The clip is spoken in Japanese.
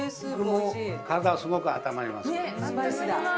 体すごくあったまります。